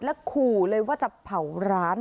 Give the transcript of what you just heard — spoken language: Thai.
แล้วขู่เลยว่าจะเผาร้าน